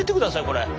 これ。